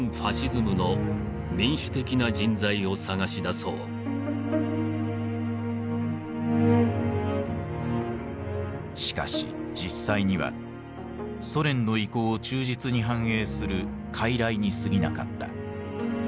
その中心人物しかし実際にはソ連の意向を忠実に反映する傀儡にすぎなかった。